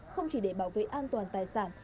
không chỉ để bảo vệ an toàn tài sản